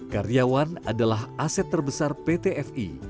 karyawan adalah aset terbesar pt f i